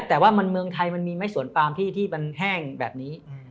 แต่ว่าเมืองไทยมันมีไหมสวนปามที่มันแห้งแบบนี้